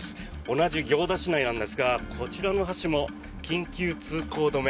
同じ行田市内なんですがこちらの橋も緊急通行止め